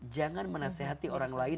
jangan menasehati orang lain